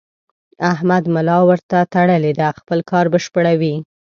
احمد ملا ورته تړلې ده؛ خپل کار بشپړوي.